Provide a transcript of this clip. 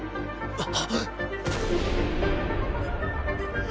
あっ。